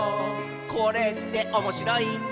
「これっておもしろいんだね」